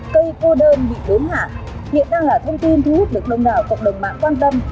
cây cô đơn bị đốn hạ hiện đang là thông tin thu hút được đông đảo cộng đồng mạng quan tâm